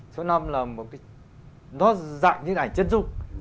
số năm là một cái nó dạng như cái ảnh chân rung